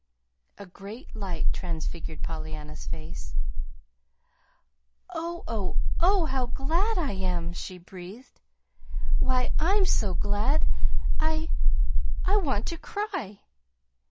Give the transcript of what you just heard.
A great light transfigured Pollyanna's face. "Oh, oh, oh, how glad I am!" she breathed. "Why, I'm so glad I I want to cry!